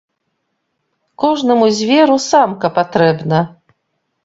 Кожнаму зверу самка патрэбна.